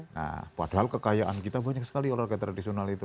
nah padahal kekayaan kita banyak sekali olahraga tradisional itu